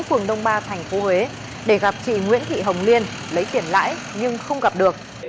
phường đông ba tp huế để gặp chị nguyễn thị hồng liên lấy tiền lãi nhưng không gặp được